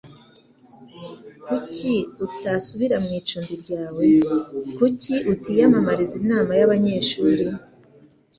Kuki utasubira mu icumbi ryawe? Kuki utiyamamariza inama y'abanyeshuri?